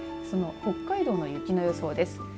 その北海道の雪の予想です。